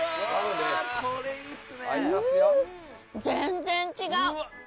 全然違う！